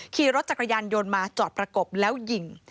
ขี่รถจักรยานยนต์มาจอดประกบแล้วยิง